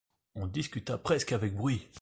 On discuta presque avec bruit.